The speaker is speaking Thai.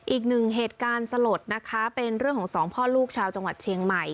อีกหนึ่งเหตุการณ์สลดนะคะเป็นเรื่องของสองพ่อลูกชาวจังหวัดเชียงใหม่